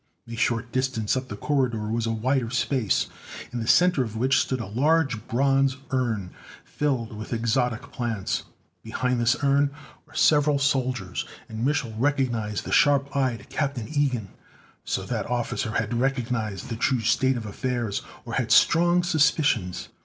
A short distance up the corridor was a wider space, in the center of which stood a large bronze urn filled with exotic plants. Behind this urn were several soldiers, and Mich'l recognized the sharp eyed Captain Ilgen. So that officer had recognized the true state of affairs, or had strong suspicions!